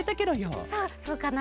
そうそうかな？